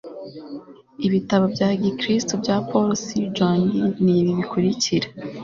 Ibitabo bya Gikristo bya Paul C Jong nibi bikurikira